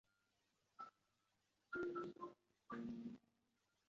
北京大学工学院将采取与国际先进大学教育体制接轨的管理模式。